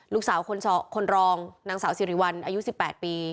ลูกสาวคนรองนางสาวสิริวัลอายุ๑๘ปี